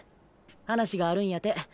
話があるんやて。